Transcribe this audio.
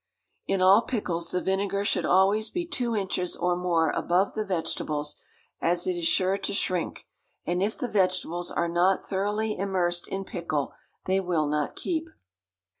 In all pickles the vinegar should always be two inches or more above the vegetables, as it is sure to shrink, and if the vegetables are not thoroughly immersed in pickle they will not keep.